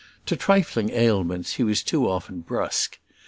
To trifling ailments he was too often brusque.